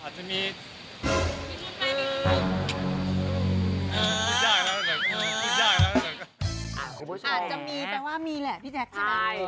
อาจจะมีแปลว่ามีแหละพี่แจ๊คใช่ไหม